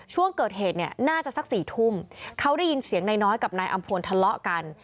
ช่วงเกิดเหตุเนี่ยน่าจะสัก๔ทุ่มเขาได้ยินเสียงนายน้อยกับนายอำพลทะเลาะกัน